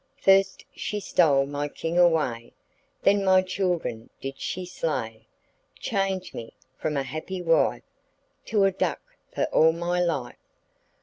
First she stole my King away, Then my children did she slay. Changed me, from a happy wife, To a duck for all my life.